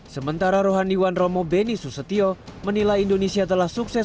sementara rohaniwan romo beni susetio menilai indonesia telah sukses